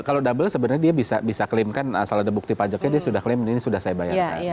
kalau double sebenarnya dia bisa klaimkan asal ada bukti pajaknya dia sudah klaim ini sudah saya bayarkan